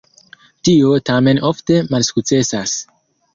Tio tamen ofte malsukcesas.